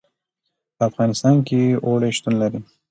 په افغانستان کې اوړي شتون لري.